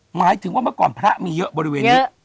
หมายถึงว่าเมื่อก่อนพระมีเยอะบริเวณนี้